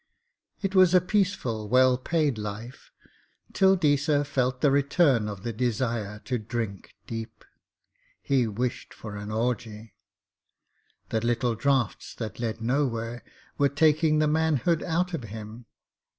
It was a peaceful, well paid life till Deesa felt the return of the desire to drink deep. He wished for an orgie. The little draughts that led nowhere were taking the manhood out of him.